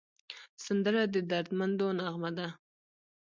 سندره د دردمندو نغمه ده